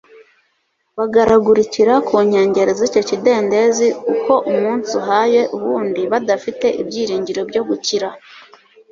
bagaragurikira ku nkengero z’icyo kidendezi uko umunsi uhaye uwundi, badafite ibyiringiro byo gukira.